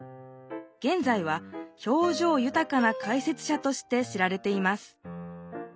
げんざいは表情ゆたかな解説者として知られています